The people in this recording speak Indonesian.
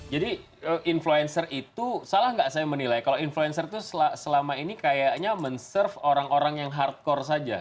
jadi influencer itu salah nggak saya menilai kalau flu wavelength selama ini kayaknya menserv orang orang yang hardcore saja